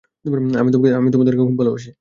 আমি তোমাদেরকে খুব ভালোবাসি।